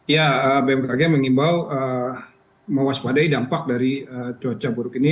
ya bmkg mengimbau mewaspadai dampak dari cuaca buruk ini